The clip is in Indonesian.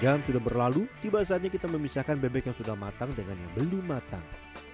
jam sudah berlalu tiba saatnya kita memisahkan bebek yang sudah matang dengan yang belum matang